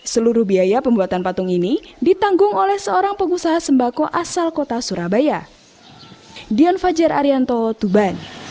seluruh biaya pembuatan patung ini ditanggung oleh seorang pengusaha sembako asal kota surabaya